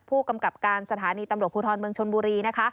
ผู้กำกับการสถานีตำรวจภูทรเมืองชนบุรีนะคะ